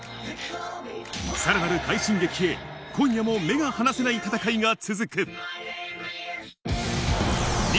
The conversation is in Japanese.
さらなる快進撃へ、今夜も目が離せない戦いが続く。